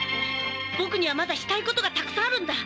僕にはまだしたいことがたくさんあるんだ。